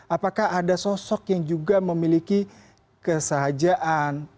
apakah ada sosok yang juga memiliki kesahajaan